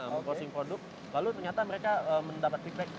memposting produk lalu ternyata mereka mendapat feedback